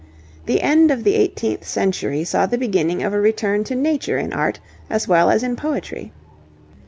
The end of the eighteenth century saw the beginning of a return to nature in art as well as in poetry.